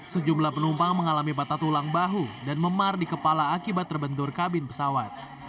sejumlah penumpang mengalami patah tulang bahu dan memar di kepala akibat terbentur kabin pesawat